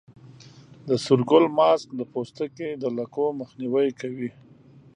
د سور ګل ماسک د پوستکي د لکو مخنیوی کوي.